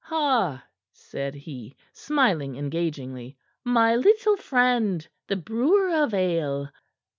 "Ha!" said he, smiling engagingly. "My little friend, the brewer of ale."